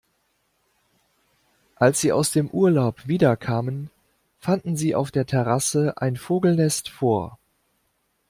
Als sie aus dem Urlaub wiederkamen, fanden sie auf der Terrasse ein Vogelnest vor.